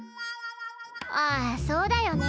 あそうだよね。